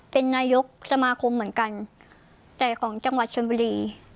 เป็นนายกสมาคมเหมือนกันแต่ของจังหวัดชนบุรี